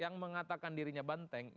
yang mengatakan dirinya banteng